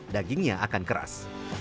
dagingnya akan keras